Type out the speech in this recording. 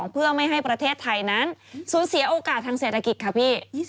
เพื่อไม่ให้ประเทศไทยนั้นสูญเสียโอกาสทางเศรษฐกิจค่ะพี่